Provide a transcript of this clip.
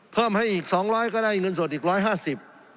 เพิ่มให้อีก๒๐๐ก็ได้เงินสดอีก๑๕๐